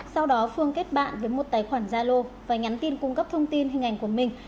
sau đó phương kết bạn với một tài khoản gia lô và nhắn tin cung cấp thông tin hình ảnh của mình